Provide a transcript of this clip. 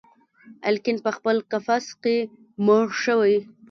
الیکین پخپل قفس کي دی مړ شوی